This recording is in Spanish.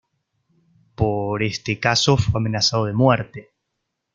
Por este caso fue amenazado de muerte.